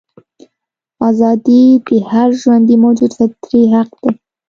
ازادي د هر ژوندي موجود فطري حق دی.